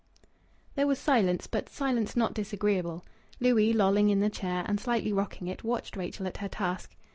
There was silence, but silence not disagreeable. Louis, lolling in the chair, and slightly rocking it, watched Rachel at her task.